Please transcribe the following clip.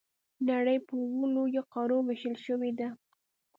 نړۍ په اووه لویو قارو وېشل شوې ده.